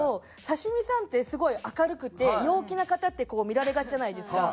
刺身さんってすごい明るくて陽気な方って見られがちじゃないですか。